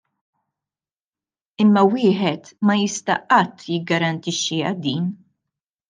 Imma wieħed ma jista' qatt jiggarantixxiha din.